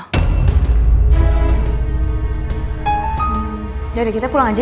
udah udah kita pulang aja yuk